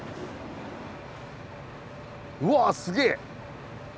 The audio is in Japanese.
うわすげえ！